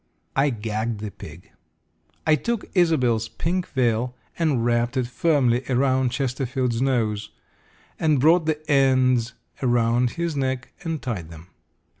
I gagged the pig. I took Isobel's pink veil and wrapped it firmly around Chesterfield's nose, and brought the ends around his neck and tied them.